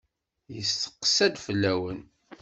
Yesteqsa-d fell-awen.